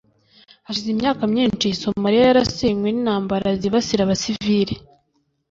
Hashize imyaka myinshi Somalia yarasenywe n’intambara zibasira abasivile